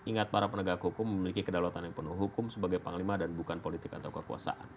ingat para penegak hukum memiliki kedalatan yang penuh hukum sebagai panglima dan bukan politik atau kekuasaan